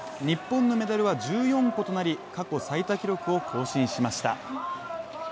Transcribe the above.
日本のメダルは１４個となり、過去最多記録を更新しました。